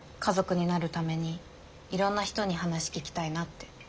家族になるためにいろんな人に話聞きたいなって。